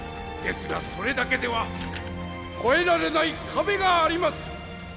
ですがそれだけでは越えられない壁があります。